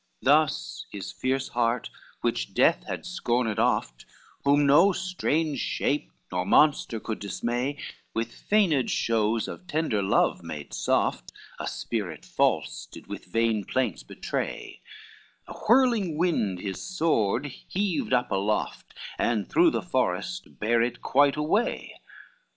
XLVI Thus his fierce heart which death had scorned oft, Whom no strange shape or monster could dismay, With feigned shows of tender love made soft, A spirit false did with vain plaints betray; A whirling wind his sword heaved up aloft, And through the forest bare it quite away.